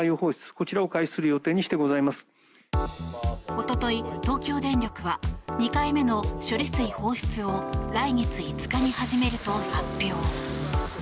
一昨日、東京電力は２回目の処理水放出を来月５日に始めると発表。